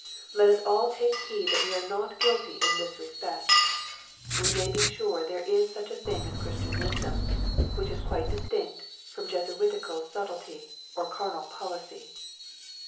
Let us all take heed that we are not guilty in this respect. We may be sure there is such a thing as Christian wisdom, which is quite distinct from Jesuitical subtlety, or carnal policy.